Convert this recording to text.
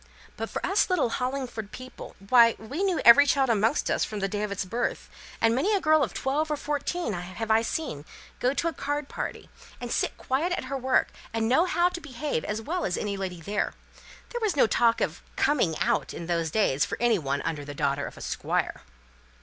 But for us little Hollingford people why, we knew every child amongst us from the day of its birth; and many a girl of twelve or fourteen have I seen go out to a card party, and sit quiet at her work, and know how to behave as well as any lady there. There was no talk of 'coming out' in those days for any one under the daughter of a Squire."